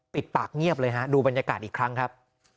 ปิดปากเงียบเลยฮะดูบรรยากาศอีกครั้งครับ